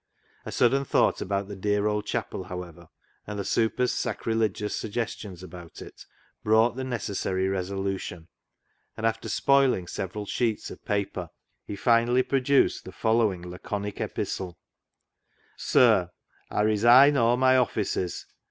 A sudden thought about the dear old chapel, however, and the " super's " sacrilegious suggestions about it, brought the necessary resolution, and after spoiling several sheets of paper he finally produced the following laconic epistle —« Sir,— " I resine all my offices.